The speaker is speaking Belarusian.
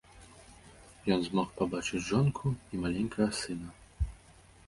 Ён змог пабачыць жонку і маленькага сына.